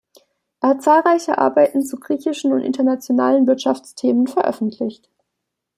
Er hat zahlreiche Arbeiten zu griechischen und internationalen Wirtschaftsthemen veröffentlicht.